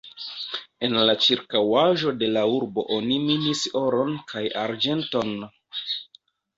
En la ĉirkaŭaĵo de la urbo oni minis oron kaj arĝenton.